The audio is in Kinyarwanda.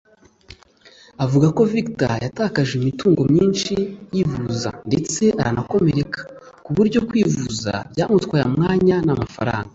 avuga ko Victor yatakaje imitungo myinshi yivuza ndetse aranakomereka kuburyo kwivuza byamutwaye umwanya n’amafaranga